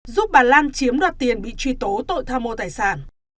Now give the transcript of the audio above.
giúp bà lan chiếm đoạt tiền bị truy tố tội tham mô tài sản